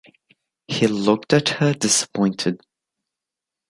He looked at her disappointed.